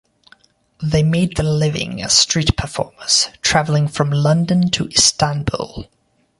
They made their living as street performers, traveling from London to Istanbul.